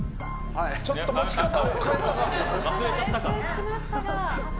ちょっと持ち方を変えましたね。